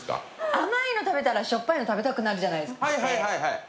甘いの食べたらしょっぱいの食べたくなるじゃないですか。